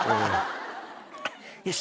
よし。